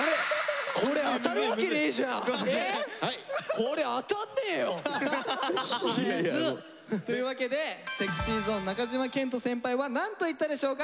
これ当たんねえよ！というわけでＳｅｘｙＺｏｎｅ中島健人先輩はなんと言ったでしょうか。